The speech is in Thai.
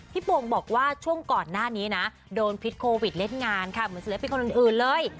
โป่งบอกว่าช่วงก่อนหน้านี้นะโดนพิษโควิดเล่นงานค่ะเหมือนศิลปินคนอื่นเลย